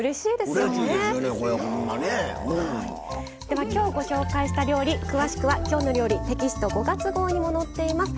ではきょうご紹介した料理詳しくは「きょうの料理」テキスト５月号にも載っています。